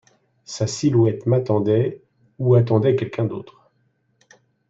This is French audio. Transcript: Sa silhouette m’attendait, ou attendait quelqu'un d'autre.